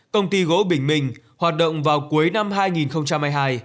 công ty gỗ bình minh hoạt động vào cuối năm hai nghìn hai mươi hai